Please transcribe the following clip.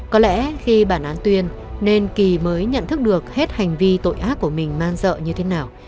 có lẽ khi bản án tuyên nên kỳ mới nhận thức được hết hành vi tội ác của mình man dợ như thế nào